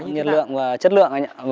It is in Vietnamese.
nhiệt lượng và chất lượng